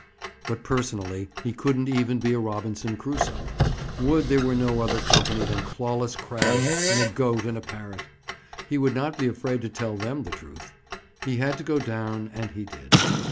But personally he couldn't even be a Robinson Crusoe. Would there were no other company than clawless crabs and a goat and a parrot! He would not be afraid to tell them the truth. He had to go down and he did.